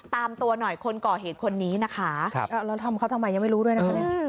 ตามตัวหน่อยคนก่อเหตุคนนี้นะคะแล้วทำเขาทำไมยังไม่รู้ด้วยนะคะเนี่ย